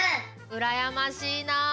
うらやましいな。